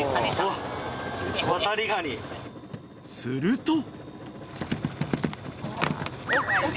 ［すると］